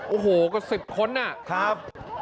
โอ้โหก็สิบคนน่ะครับ